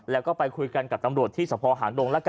แล้วก็ไปคุยกันกับตำรวจที่สะพอหางดงแล้วกัน